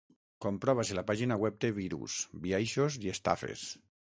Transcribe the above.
Comprova si la pàgina web té virus, biaixos i estafes.